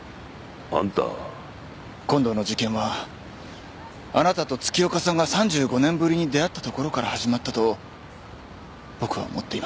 今度の事件はあなたと月岡さんが３５年ぶりに出会ったところから始まったと僕は思っています。